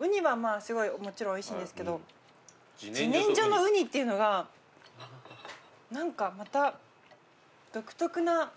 ウニはまぁすごいもちろんおいしいんですけど自然薯のウニっていうのが何かまた独特な。